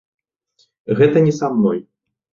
Гэта не са мной.